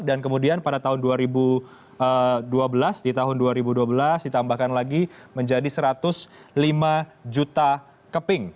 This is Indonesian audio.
dan kemudian pada tahun dua ribu dua belas ditambahkan lagi menjadi satu ratus lima juta keping